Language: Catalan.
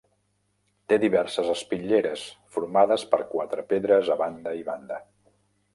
Té diverses espitlleres, formades per quatre pedres a banda i banda.